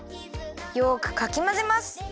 よくかきまぜます。